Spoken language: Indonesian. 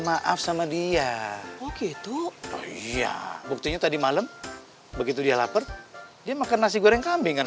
maaf sama dia begitu iya buktinya tadi malam begitu dia lapar dia makan nasi goreng kambingan